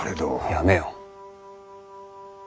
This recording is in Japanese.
やめよ。